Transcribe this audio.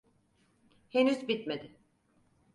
Henüz bitmedi.